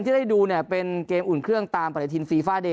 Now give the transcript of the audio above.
ที่ได้ดูเนี่ยเป็นเกมอุ่นเครื่องตามปฏิทินฟีฟ่าเดย